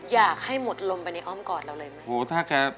อยากให้หมดลมไปในอ้อมกอดเราเลยไหม